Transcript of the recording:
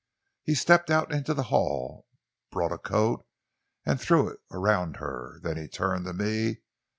"He stepped out into the hall, brought a coat and threw it around her. Then he turned to me.